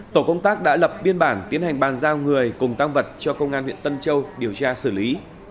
tổ công tác đã lập biên bản tiến hành bàn giao người cùng tăng vật cho công an huyện tân châu điều tra xử lý